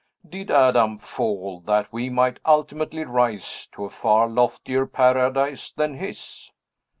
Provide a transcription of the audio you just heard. Did Adam fall, that we might ultimately rise to a far loftier paradise than his?"